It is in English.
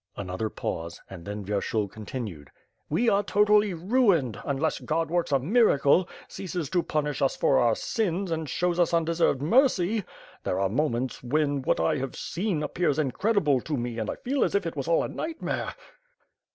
Another pause, and then Vyershul continued: "We are totally ruined, unless God works a miracle; ceases to punish us for our sins and shows ue undeserved mercy. There are moments, when, what I have seen, appears incredible to me and I feel as if it was all a nightmare.